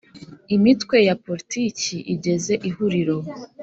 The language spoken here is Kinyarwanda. Imitwe ya Politiki igize Ihuriro